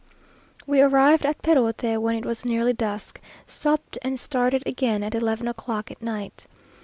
We arrived at Perote when it was nearly dusk, supped, and started again at eleven o'clock at night.